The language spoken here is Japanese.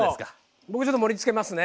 僕ちょっと盛りつけますね。